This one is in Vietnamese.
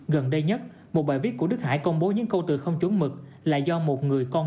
gần đây nhất một bài viết của đức hải công bố những câu từ không chuẩn mực là do một người con